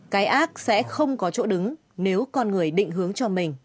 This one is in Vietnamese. cái ác sẽ không có chỗ đứng nếu con người định hướng cho mình